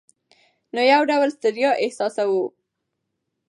نو یو ډول ستړیا احساسوو.